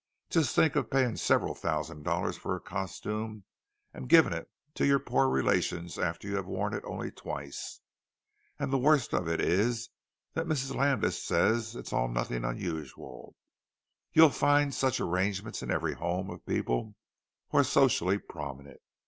Just think of paying several thousand dollars for a costume, and giving it to your poor relations after you have worn it only twice! And the worst of it is that Mrs. Landis says it's all nothing unusual; you'll find such arrangements in every home of people who are socially prominent.